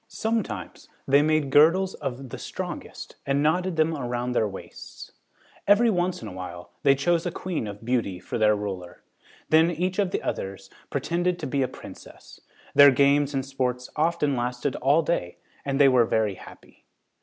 Sometimes they made girdles of the strongest and knotted them around their waists. Every once in a while they chose a queen of beauty for their ruler. Then each of the others pretended to be a princess. Their games and sports often lasted all day and they were very happy.